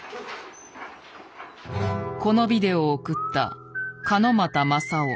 このビデオを送った鹿股政雄。